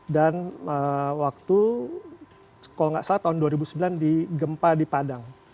dan waktu kalau tidak salah tahun dua ribu sembilan di gempa di padang